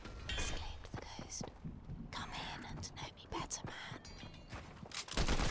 exclaimed the Ghost. "Come in! and know me better, man!"